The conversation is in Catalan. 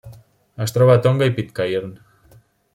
Es troba a Tonga i Pitcairn.